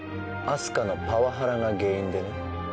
明日香のパワハラが原因でね。